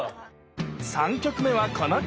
３曲目はこの曲！